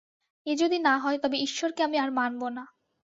এ যদি না হয় তবে ঈশ্বরকে আমি আর মানব না।